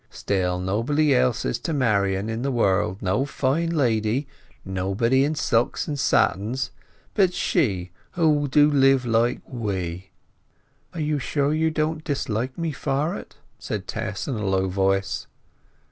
Still, nobody else is to marry'n in the world—no fine lady, nobody in silks and satins; but she who do live like we." "Are you sure you don't dislike me for it?" said Tess in a low voice.